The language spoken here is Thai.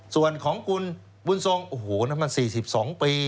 ส่วนของคุณบุญทรงโอ้โหนั่นมัน๔๒ปี